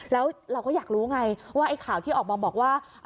แล้วเราก็อยากรู้ไงว่าไอ้ข่าวที่ออกมาบอกว่า